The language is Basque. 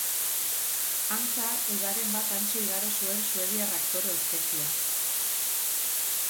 Antza, udaren bat hantxe igaro zuen suediar aktore ospetsuak.